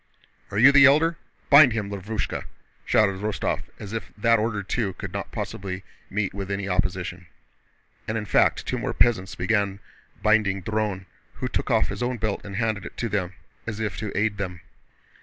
"Are you the Elder? Bind him, Lavrúshka!" shouted Rostóv, as if that order, too, could not possibly meet with any opposition. And in fact two more peasants began binding Dron, who took off his own belt and handed it to them, as if to aid them.